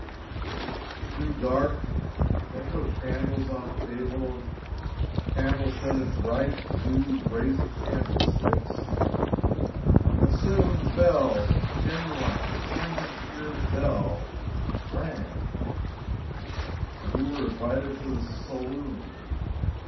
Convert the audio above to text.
It grew dark, and they put candles on the tables candles set in bright, new, brazen candlesticks. And soon the bell a genuine, simon pure bell rang, and we were invited to "the saloon."